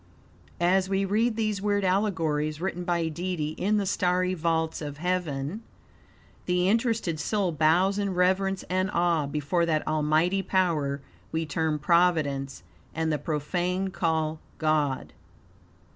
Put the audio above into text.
As we read these weird allegories, written by Deity in the starry vaults of heaven, the interested soul bows in reverence and awe before that almighty power we term Providence, and the profane call God.